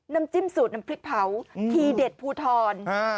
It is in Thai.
น้ำจิ้มสูตรน้ำพริกเผาทีเด็ดภูทร